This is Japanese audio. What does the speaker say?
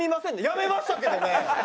「やめましたけどね！」。